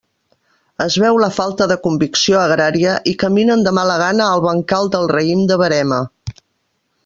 Es veu la falta de convicció agrària i caminen de mala gana al bancal del raïm de verema.